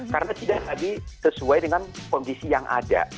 karena tidak lagi sesuai dengan kondisi yang ada